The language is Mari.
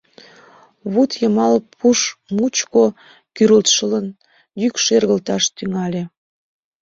Вӱдйымал пуш мучко кӱрылтышын йӱк шергылташ тӱҥале.